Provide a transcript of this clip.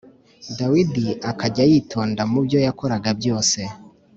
Dawidi akajya yitonda mu byo yakoraga byose